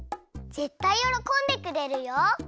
ぜったいよろこんでくれるよ！